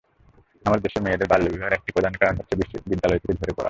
আমাদের দেশে মেয়েদের বাল্যবিবাহের একটি প্রধান কারণ হচ্ছে বিদ্যালয় থেকে ঝরে পড়া।